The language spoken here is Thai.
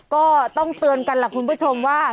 ก็ต้องเตือนกันล่ะคุณผู้ชมว่า